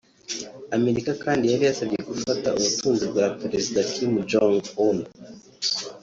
Amerika kandi yari yasabye gufata ubutunzi bwa Perezida Kim Jong-Un